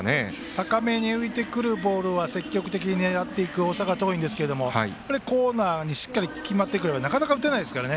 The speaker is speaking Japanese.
高めに浮いてくるボールは積極的に狙う大阪桐蔭ですがコーナーにしっかり決まってくればなかなか打てないですから。